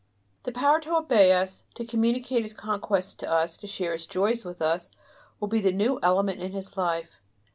The power to obey us, to communicate his conquests to us, to share his joys with us, will be the new element in his life.